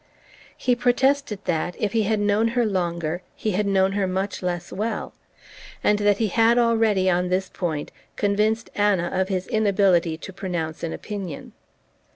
He protested that, if he had known her longer, he had known her much less well, and that he had already, on this point, convinced Anna of his inability to pronounce an opinion.